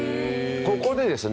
ここでですね